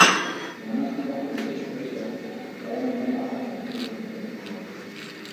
Mais un incident de dépressurisation va l'amener à remplacer le capitaine blessé.